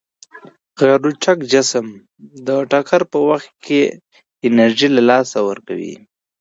غیرلچک جسم د ټکر په وخت کې انرژي له لاسه ورکوي.